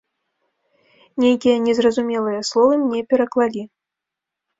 Нейкія незразумелыя словы мне пераклалі.